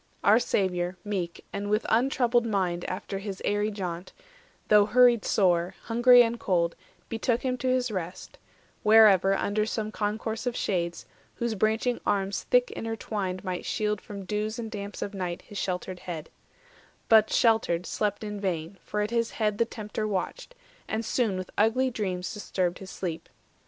400 Our Saviour, meek, and with untroubled mind After hisaerie jaunt, though hurried sore, Hungry and cold, betook him to his rest, Wherever, under some concourse of shades, Whose branching arms thick intertwined might shield From dews and damps of night his sheltered head; But, sheltered, slept in vain; for at his head The Tempter watched, and soon with ugly dreams Disturbed his sleep.